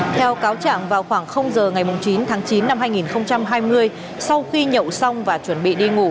theo cáo trạng vào khoảng giờ ngày chín tháng chín năm hai nghìn hai mươi sau khi nhậu xong và chuẩn bị đi ngủ